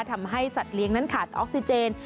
ทำให้สัตว์เลี้ยงนั้นขาดออกซิเจน